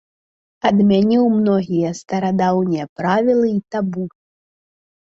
Адмяніў многія старадаўнія правілы і табу.